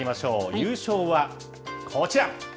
優勝はこちら。